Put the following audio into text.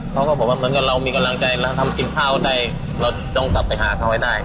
เขาก็บอกว่าเหมือนกับเรามีกำลังใจเราทำกินข้าวได้เราต้องกลับไปหาเขาให้ได้